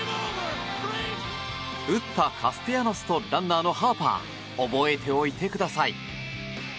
打ったカステヤノスとランナーのハーパー覚えておいてください。